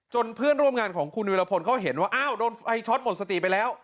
เพื่อนร่วมงานของคุณวิรพลเขาเห็นว่าอ้าวโดนไฟช็อตหมดสติไปแล้ว